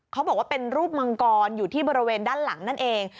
เขาบอกว่าเป็นรูปมังกรอยู่ที่บริเวณด้านหลังนั่นเอง